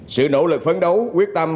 sự nỗ lực phấn đấu quyết tâm